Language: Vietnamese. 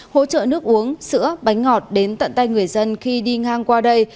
hỗ trợ nước uống sữa bánh ngọt đến tận tay người dân khi đi ngang qua đây